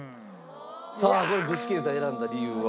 さあこれ具志堅さん選んだ理由は？